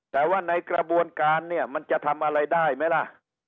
แต่ว่าในกระบวนการเนี่ยมันจะทำอะไรได้ไหมล่ะ